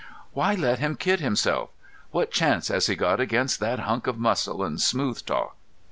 "Why let him kid himself? What chance has he got against that hunk of muscle and smooth talk?"